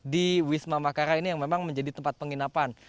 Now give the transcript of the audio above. di wisma makara ini yang memang menjadi tempat penginapan